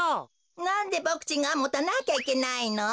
なんでボクちんがもたなきゃいけないの？